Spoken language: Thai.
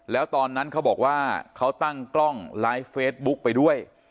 แล้วตอนนั้นเขาบอกว่าเขาตั้งกล้องไลฟ์เฟซบุ๊กไปด้วย